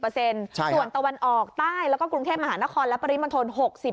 ส่วนตะวันออกใต้แล้วก็กรุงเทพมหานครและปริมณฑล